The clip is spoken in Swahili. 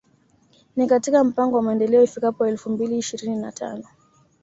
Ni katika mpango wa Maendeleo ifikapo elfu mbili ishirini na tano